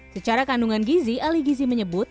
secara kandungan gizi ali gizi menyebut